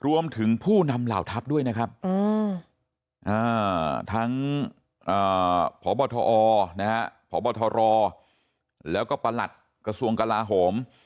ผู้นำเหล่าทัพด้วยนะครับทั้งพบทอพบทรแล้วก็ประหลัดกระทรวงกลาโหม